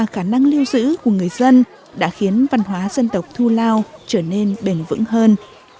khả năng lưu giữ của người dân đã khiến văn hóa dân tộc thu lao trở nên bền vững hơn